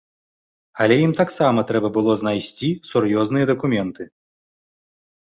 Але ім таксама трэба было знайсці сур'ёзныя дакументы.